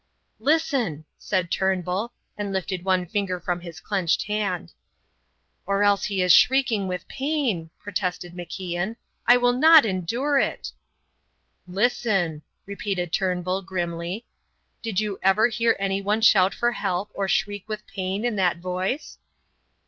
"Listen!" said Turnbull, and lifted one finger from his clenched hand. "Or else he is shrieking with pain," protested MacIan. "I will not endure it." "Listen!" repeated Turnbull, grimly. "Did you ever hear anyone shout for help or shriek with pain in that voice?"